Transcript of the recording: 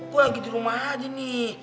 gue lagi di rumah aja nih